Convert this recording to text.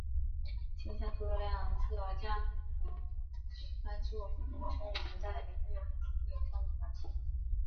径向速度量测将可帮助确认潜在凌日恒星最有效的方式。